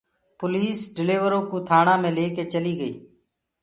پوليٚس ڊليورو ڪو ٿآڻآ مي ليڪي چليٚ گئيٚ